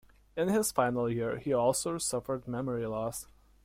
In his final years, he also suffered memory loss.